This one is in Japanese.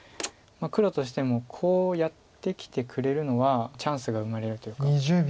黒としてもコウをやってきてくれるのはチャンスが生まれるというか。